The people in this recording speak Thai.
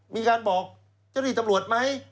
มีการบอกเจ้าหน้าที่ตำรวจไหม